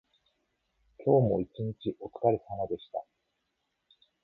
今日も一日おつかれさまでした。